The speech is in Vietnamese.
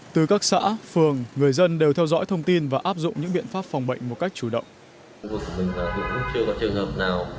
từ các xã phường người dân đều theo dõi thông tin và áp dụng những biện pháp phòng bệnh một cách chủ động